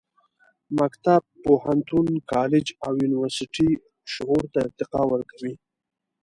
مکتب، پوهنتون، کالج او یونیورسټي شعور ته ارتقا ورکوي.